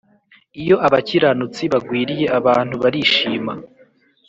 iyo abakiranutsi bagwiriye abantu barishima,